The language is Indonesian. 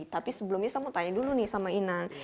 tapi sebelumnya saya mau tanya dulu nih sama inan